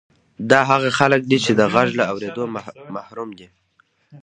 دا هغه خلک دي چې د غږ له اورېدو محروم دي